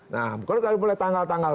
nah bukan oleh tanggal tanggal